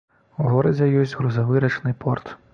У горадзе ёсць грузавы рачны порт.